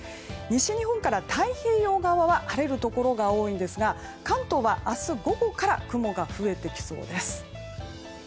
西日本から太平洋側は晴れるところが多いですが関東は明日午後から雲が増えてきそうです。